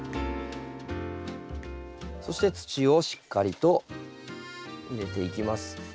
そして土をしっかりと入れていきます。